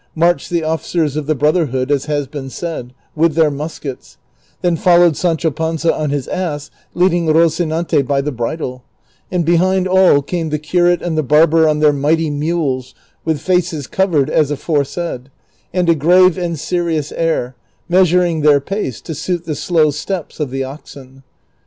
marched the officers of the Brotherhood, as has been said, with their muskets ; then followed Sancho Panza on his ass, leading Rocinante by the bridle ; and behind all came the curate and the barber on their mighty mules, with faces covered, as afore said, and a grave and serious air, measuring their pace to suit the slow steps of the oxen.